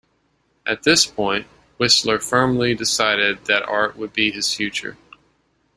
At this point, Whistler firmly decided that art would be his future.